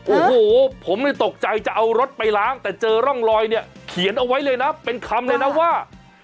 โอ้โหผมเลยตกใจจะเอารถไปล้างแต่เจอร่องรอยเนี่ยเขียนเอาไว้เลยนะเป็นคำเลยนะว่า